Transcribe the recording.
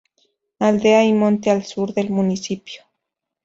Aldea y monte al sur del municipio.